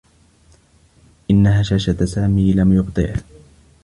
إنّ هشاشة سامي لم يبطئه.